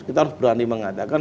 kita berani mengatakan